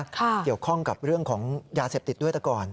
เกี่ยวข้องกับเรื่องของยาเสพติดด้วยแต่ก่อน